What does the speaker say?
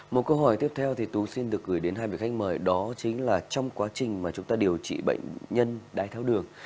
một câu hỏi tiếp theo thì tôi xin được gửi đến hai vị khách mời đó chính là trong quá trình mà chúng ta điều trị bệnh nhân đai tháo đường